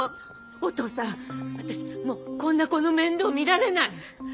おとうさん私もうこんな子の面倒見られない。